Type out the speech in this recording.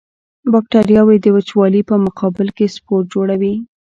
بکټریاوې د وچوالي په مقابل کې سپور جوړوي.